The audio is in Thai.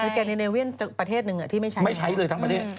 ที่การ์เนวิ่นประเทศหนึ่งอ่ะที่ไม่ใช้ทั้งประเทศ